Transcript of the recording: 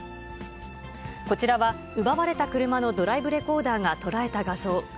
こちらは奪われた車のドライブレコーダーが捉えた画像。